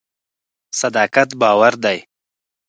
صداقت باور دی.